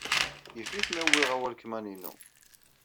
Yif-it ma uwyeɣ awalkman-inu.